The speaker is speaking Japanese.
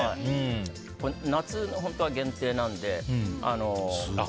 夏、本当は限定なので。